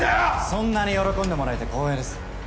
そんなに喜んでもらえて光栄です。